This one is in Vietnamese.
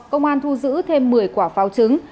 công an thu giữ thêm một mươi quả pháo trứng